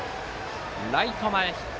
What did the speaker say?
ライト前ヒット。